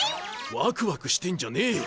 ワクワクしてんじゃねえよ。